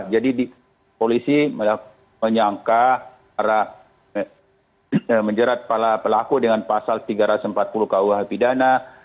jadi polisi menyangka menjerat pelaku dengan pasal tiga ratus empat puluh kuh pidana